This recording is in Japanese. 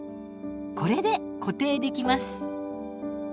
これで固定できます。